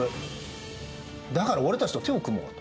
だから俺たちと手を組もうと。